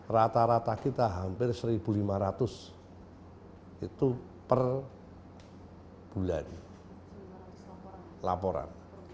rata rata kita hampir satu lima ratus itu per bulan laporan